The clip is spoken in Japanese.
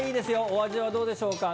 お味はどうでしょうか？